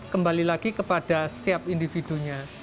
kembali lagi kepada setiap individunya